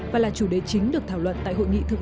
và là chủ đề chính được thảo luận tại hội nghị thực tế